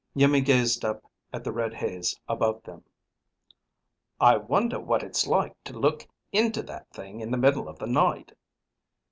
Iimmi gazed up at the red haze above them. "I wonder what it's like to look into that thing in the middle of the night?"